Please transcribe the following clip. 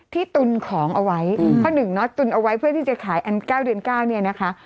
ตุนของเอาไว้ข้อหนึ่งเนาะตุนเอาไว้เพื่อที่จะขายอัน๙เดือน๙เนี่ยนะคะ